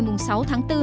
mà các bạn làm việc